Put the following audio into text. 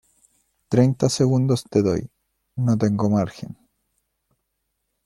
treinta segundos te doy. no tengo margen .